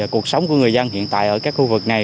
cuộc sống của người dân hiện tại ở các khu vực này